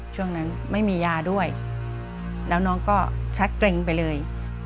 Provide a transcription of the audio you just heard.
ช่วงนั้นไม่มียาด้วยแล้วน้องก็ชักเกร็งไปเลย